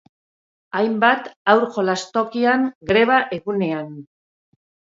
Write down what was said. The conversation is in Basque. Hainbat haur jolastokian, greba egunean.